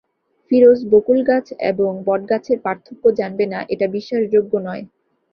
ফিরোজ বকুল গাছ এবং বট গাছের পার্থক্য জানবে না, এটা বিশ্বাসযোগ্য নয়।